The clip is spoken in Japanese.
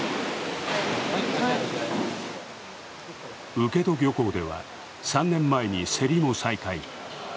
請戸漁港では３年前に競りを再開。